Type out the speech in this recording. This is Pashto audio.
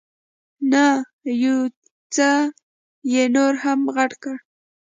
نه، یو څه یې نور هم غټ کړه.